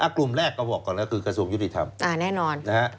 กลุ่มแรกก็บอกก่อนแล้วคือกระทรวงยุติธรรมแน่นอนนะฮะ